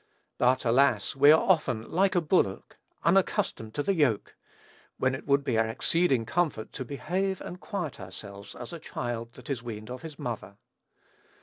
But, alas! we are often "like a bullock unaccustomed to the yoke," when it would be our exceeding comfort to "behave and quiet ourselves as a child that is weaned of his mother."